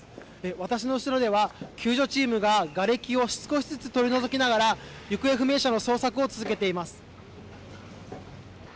私の後ろでは救助チームががれきを少しずつ取り除きながら行方不明者の捜索を続けています。